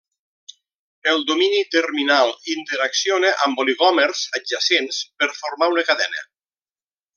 El domini terminal interacciona amb oligòmers adjacents per formar una cadena.